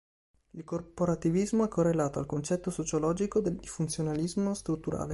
Il corporativismo è correlato al concetto sociologico di funzionalismo strutturale.